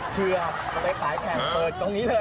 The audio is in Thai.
เผื่อไปขายแขนต์เปิดตรงนี้เลย